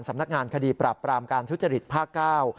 สำนักงานคดีปราบปรามการทุจริตภาคเก้า